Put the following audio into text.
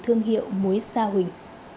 thương hiệu mối sa huỳnh